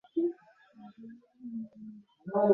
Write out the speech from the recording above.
সম্ভবত, হ্যাঁ।